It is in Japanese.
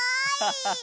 ハハハ！